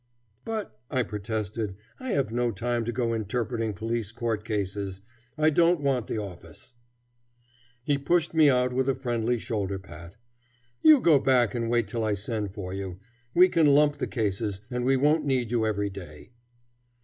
"But," I protested, "I have no time to go interpreting police court cases. I don't want the office." He pushed me out with a friendly shoulder pat. "You go back and wait till I send for you. We can lump the cases, and we won't need you every day."